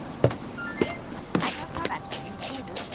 あの空と似てるって？